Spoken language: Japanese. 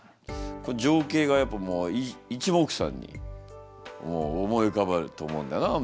情景がやっぱもういちもくさんに思い浮かべると思うんだなみんながな。